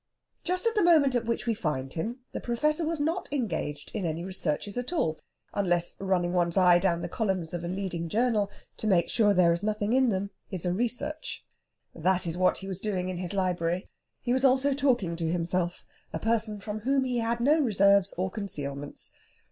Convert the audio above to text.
Just at the moment at which we find him, the Professor was not engaged in any researches at all, unless running one's eye down the columns of a leading journal, to make sure there is nothing in them, is a research. That is what he was doing in his library. And he was also talking to himself a person from whom he had no reserves or concealments.